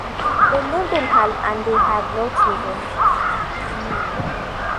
They lived in Hull and they had no children.